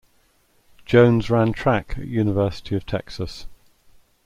Jones ran track at University of Texas.